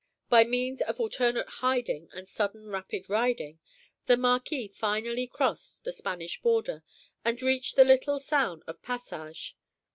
By means of alternate hiding and sudden rapid riding, the Marquis finally crossed the Spanish border, and reached the little town of Passage.